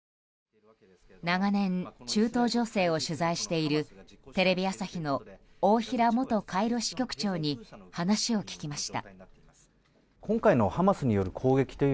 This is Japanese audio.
長年、中東情勢を取材しているテレビ朝日の大平元カイロ支局長に話を聞きました。